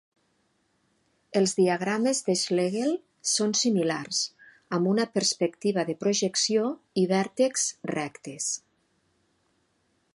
Els diagrames de Schlegel són similars, amb una perspectiva de projecció i vèrtex rectes.